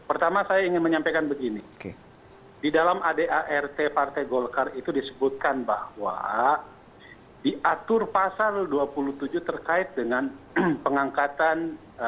pertama saya ingin menyampaikan begini di dalam adart partai golkar itu disebutkan bahwa diatur pasal dua puluh tujuh terkait dengan pengangkatan